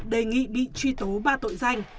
đề nghị bị truy tố ba tội danh